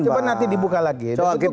coba nanti dibuka lagi